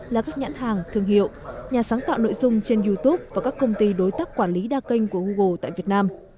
là các nhãn hàng thương hiệu nhà sáng tạo nội dung trên youtube và các công ty đối tác quản lý đa kênh của google tại việt nam